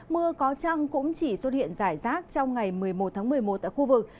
mưa có trăng cũng chỉ xuất hiện rải rác trong ngày một mươi một tháng một mươi một tại khu vực